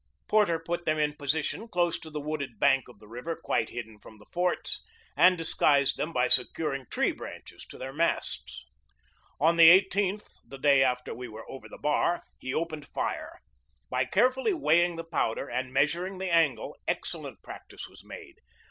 Porter put them in position close to the wooded bank of the river, quite hidden from the forts, and disguised them by securing tree branches to their masts. On the 1 8th, the day after we were over the bar, he opened fire. By carefully weighing the powder and measuring the angle excellent practice was made.